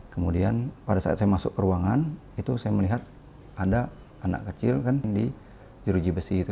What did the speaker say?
kemudian pada saat saya masuk ke ruangan itu saya melihat ada anak kecil kan di jeruji besi itu